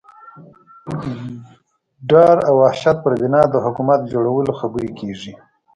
ډار او وحشت پر بنا د حکومت د جوړولو خبرې کېږي.